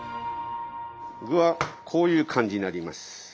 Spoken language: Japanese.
具はこういう感じになります。